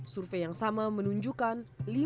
survei yang sama menunjukkan